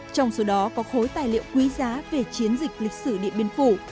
trong số đó có khối tài liệu quý giá về chiến dịch lịch sử điện biên phủ